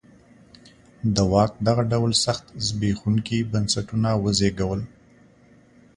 د واک دغه ډول سخت زبېښونکي بنسټونه وزېږول.